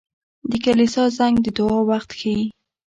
• د کلیسا زنګ د دعا وخت ښيي.